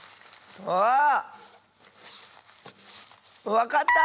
わかった！